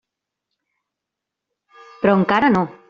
Però encara no.